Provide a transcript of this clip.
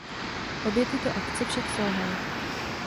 Obě tyto akce však selhaly.